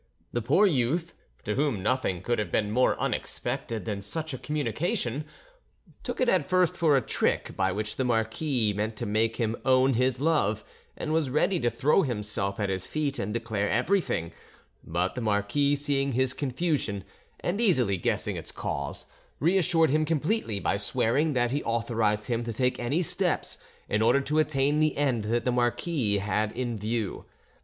The poor youth, to whom nothing could have been more unexpected than such a communication, took it at first for a trick by which the marquis meant to make him own his love, and was ready to throw himself at his feet and declare everything; but the marquis seeing his confusion, and easily guessing its cause, reassured him completely by swearing that he authorised him to take any steps in order to attain the end that the marquis had in view.